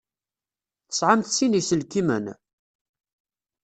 Tesεamt sin iselkimen?